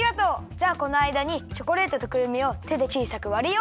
じゃあこのあいだにチョコレートとくるみをてでちいさくわるよ！